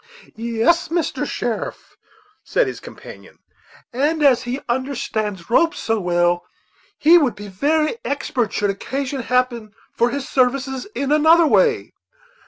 "Yes, Mr. Sheriff," said his companion; "and as he understands ropes so well, he would be very expert, should occasion happen for his services in another way."